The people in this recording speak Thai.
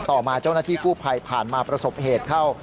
ต่อมาเจ้าหน้าที่กู้ภัยผ่านมาประสบเหตุเข้า